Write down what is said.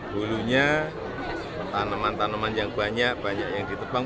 hulunya tanaman tanaman yang banyak banyak yang ditebang